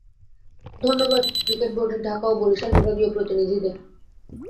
ধন্যবাদ ক্রিকেট বোর্ডের ঢাকা ও বরিশাল বিভাগীয় প্রতিনিধিদের।